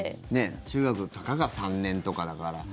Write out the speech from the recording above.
中学たかが３年とかだから。